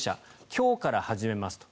今日から始めますと。